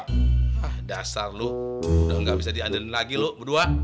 ah dasar lo udah gak bisa diandern lagi lo berdua